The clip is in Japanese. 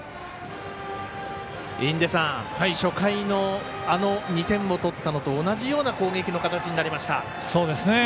印出さん、初回の２点を取ったのと同じような攻撃の形になりました。